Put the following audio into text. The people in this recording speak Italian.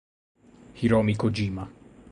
Hiromi Kojima